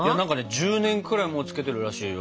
１０年くらいもうつけてるらしいよ。